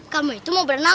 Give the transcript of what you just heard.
kamu itu mau berenang